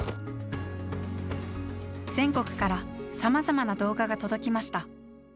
全国からさまざまな動画が届きました。